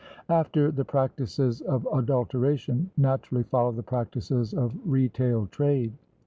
After the practices of adulteration naturally follow the practices of retail trade.